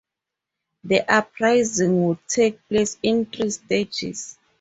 The Uprising would take place in three stages.